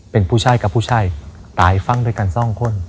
เป็นผู้ชายกับผู้ชายตายฟังด้วยกันสองคน